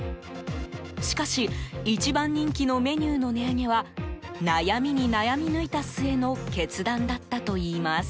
しかし一番人気のメニューの値上げは悩みに悩み抜いた末の決断だったといいます。